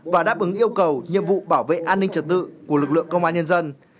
và đáp ứng yêu cầu nhiệm vụ bảo vệ an ninh trật tự của lực lượng công an nhân dân